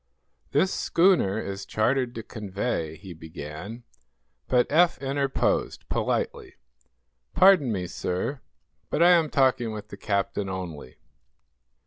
"This schooner is chartered to convey " he began, but Eph interposed, politely: "Pardon me, sir, but I am talking with the captain only."